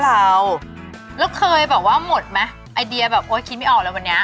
แล้วเคยบอกว่าหมดมะไอเดียแบบว่าคิดไม่ออกอะไรวันนี้